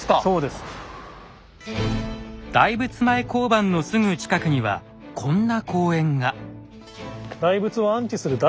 大仏前交番のすぐ近くにはこんな公園が。